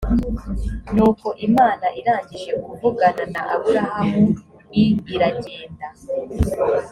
nuko imana irangije kuvugana na aburahamu l iragenda